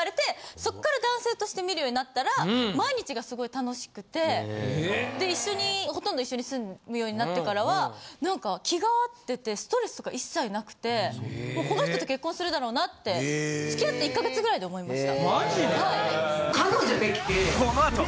そっから男性として見るようになったら毎日がすごい楽しくてでほとんど一緒に住むようになってからはなんか気が合っててストレスが一切なくてもうこの人と結婚するだろうなって付き合って１か月ぐらいで思いました。